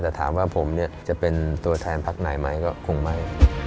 แต่ถามว่าผมจะเป็นตัวแทนพักไหนไหมก็คงไม่